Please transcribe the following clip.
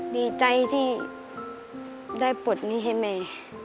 ดีใจที่ได้ปลดหนี้ให้แม่